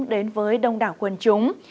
đến với đông đảo quân chúng